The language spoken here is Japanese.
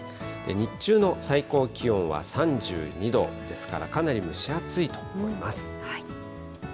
日中の最高気温は３２度ですからかなり蒸し暑いと思います。